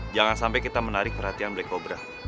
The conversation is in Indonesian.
jangan sampai kita menarik perhatian black cobra